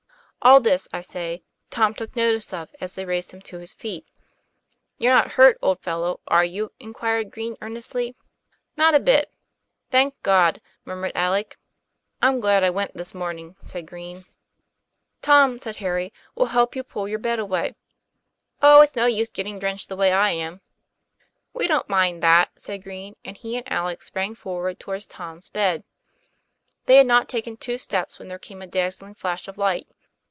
All this, I say, Tom took notice of, as they raised him to his feet. "You're not hurt, old fellow, are you?" inquired Green earnestly. "Not a bit." "Thank God!" murmured Alec. ''I'm glad I went this morning," said Green. n6 TOM PLAYFAIR. "Tom," said Harry, "we'll help you pull your bed away." "Oh, it's no use getting drenched the way I am. 1 "We don't mind that," said Green, and he and Alec sprang forward towards Tom's bed. They had not taken two steps, when there came a dazzling flash of light.